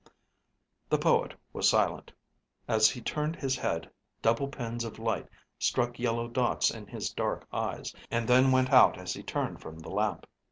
The poet was silent. As he turned his head, double pins of light struck yellow dots in his dark eyes, and then went out as he turned from the lamp.